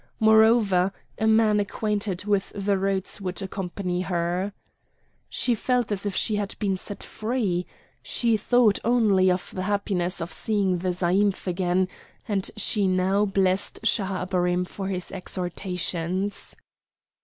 Moreover, a man acquainted with the routes would accompany her. She felt as if she had been set free. She thought only of the happiness of seeing the zaïmph again, and she now blessed Schahabarim for his exhortations.